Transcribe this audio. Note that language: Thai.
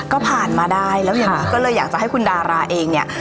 ก็ผ่านมาได้แล้วอย่างนี้ก็เลยอยากจะให้คุณดาราเองเนี่ย